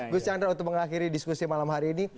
gus chandra untuk mengakhiri diskusi malam hari ini